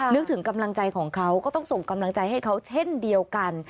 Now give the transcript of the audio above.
นึกถึงกำลังใจของเขาก็ต้องส่งกำลังใจให้เขาเช่นเดียวกัน